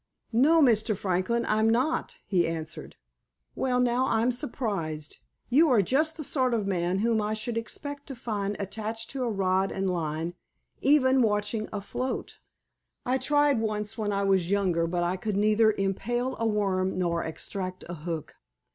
"No, Mr. Franklin, I'm not," he answered. "Well, now, I'm surprised. You are just the sort of man whom I should expect to find attached to a rod and line—even watching a float." "I tried once when I was younger, but I could neither impale a worm nor extract a hook.